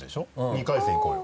２回戦行こうよ。